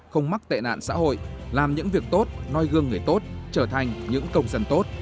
không mắc tệ nạn xã hội làm những việc tốt noi gương người tốt trở thành những công dân tốt